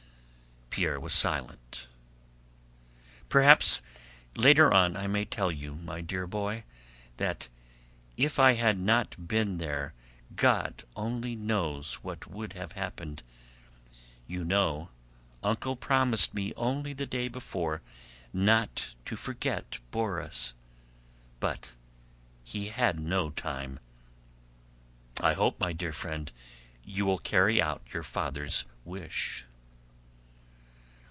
Pierre was silent. "Perhaps later on I may tell you, my dear boy, that if I had not been there, God only knows what would have happened! You know, Uncle promised me only the day before yesterday not to forget Borís. But he had no time. I hope, my dear friend, you will carry out your father's wish?"